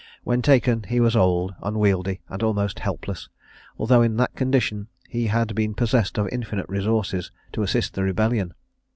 When taken, he was old, unwieldy, and almost helpless; although in that condition he had been possessed of infinite resources to assist the rebellion.